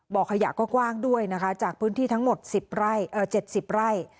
ขยะก็กว้างด้วยนะคะจากพื้นที่ทั้งหมด๗๐ไร่